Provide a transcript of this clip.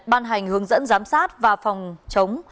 ban hành hướng dẫn giám sát và phòng chống